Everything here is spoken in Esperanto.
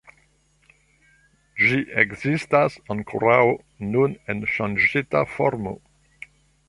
Ĝi ekzistas ankoraŭ nun en ŝanĝita formo.